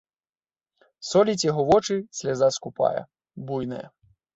Соліць яго вочы сляза скупая, буйная.